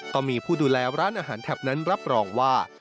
ผู้ดูแลร้านอาหารแถบนั้นรับรองว่า